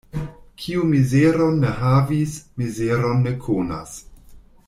Kiu mizeron ne havis, mizeron ne konas.